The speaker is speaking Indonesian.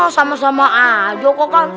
sama sama aja kok kan